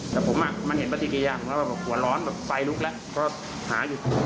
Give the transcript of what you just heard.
แต่ผมอ่ะมันเห็นปฏิกิริยะผมก็บอกว่าหัวร้อนแบบไซล์ลุกแล้วก็หาอยู่